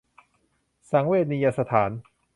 สังเวชนียสถาน